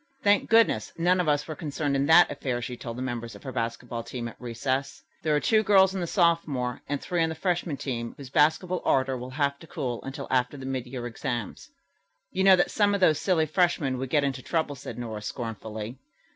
"Thank goodness, none of us were concerned in that affair," she told the members of her basketball team at recess. "There are two girls on the sophomore and three on the freshman team whose basketball ardor will have to cool until after the mid year exams." "You might know that some of those silly freshmen would get into trouble," said Nora scornfully.